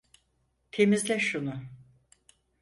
Temizle şunu.